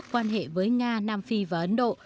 quan hệ với nga nam phi và ấn độ